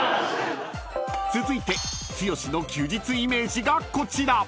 ［続いて剛の休日イメージがこちら］